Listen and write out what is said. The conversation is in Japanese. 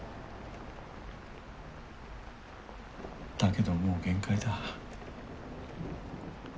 だけどもう限界だ。